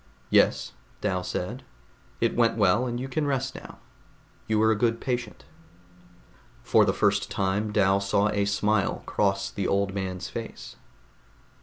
"Yes," Dal said. "It went well, and you can rest now. You were a good patient." For the first time Dal saw a smile cross the old man's face.